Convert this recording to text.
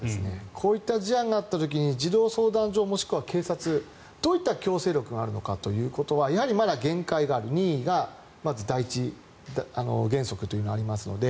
こういった事案があった時に児童相談所、もしくは警察どういった強制力があるのかはやはりまだ限界がある任意がまず第一原則というのがありますので